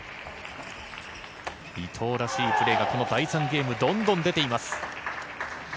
伊藤らしいプレーが第３ゲーム、どんどん出ています。